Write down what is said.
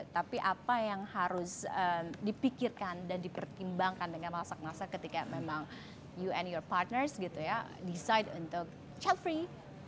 tapi apa yang harus dipikirkan dan dipertimbangkan dengan masak masak ketika memang you and your partners gitu ya decide untuk chat free